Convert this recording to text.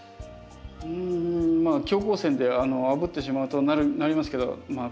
うんまあ強光線であぶってしまうとなりますけどまあ